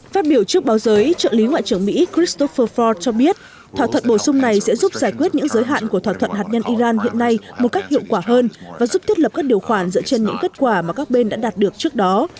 phát biểu trước báo giới trợ lý ngoại trưởng mỹ christopher ford cho biết thỏa thuận bổ sung này sẽ giúp giải quyết những giới hạn của thỏa thuận hạt nhân iran hiện nay một cách hiệu quả hơn và giúp thiết lập các điều khoản dựa trên những kết quả mà các bên đã đạt được trước đó